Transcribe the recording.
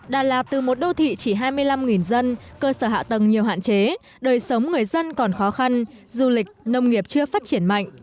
đà lạt từ một đô thị chỉ hai mươi năm dân cơ sở hạ tầng nhiều hạn chế đời sống người dân còn khó khăn du lịch nông nghiệp chưa phát triển mạnh